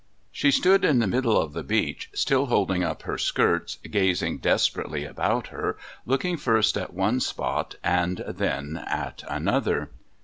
She stood in the middle of the beach, still holding up her skirts, gazing desperately about her, looking first at one spot and then at another.